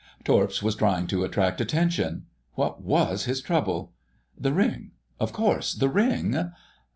Torps was trying to attract attention—What was his trouble? The ring—Of course, the ring....